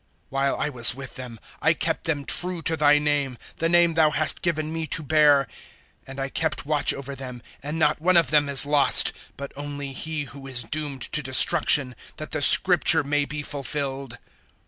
017:012 While I was with them, I kept them true to Thy name the name Thou hast given me to bear and I kept watch over them, and not one of them is lost but only he who is doomed to destruction that the Scripture may be fulfilled.